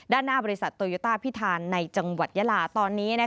ด้านหน้าบริษัทโตโยต้าพิธานในจังหวัดยาลาตอนนี้